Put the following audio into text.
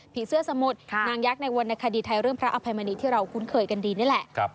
เสื้อสมุทรนางยักษ์ในวรรณคดีไทยเรื่องพระอภัยมณีที่เราคุ้นเคยกันดีนี่แหละ